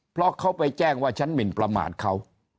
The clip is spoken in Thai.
เพราะเขาไปแจ้งว่าฉันหมินประมาทเขา